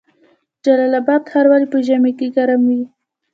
جلال اباد ښار ولې په ژمي کې ګرم وي؟